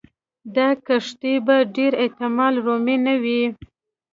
دا کښتۍ په ډېر احتمال رومي نه وې.